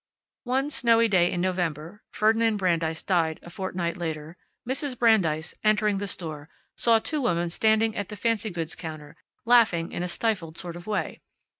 One snowy day in November (Ferdinand Brandeis died a fortnight later) Mrs. Brandeis, entering the store, saw two women standing at the fancy goods counter, laughing in a stifled sort of way.